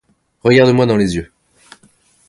Regarde-moi dans les yeux.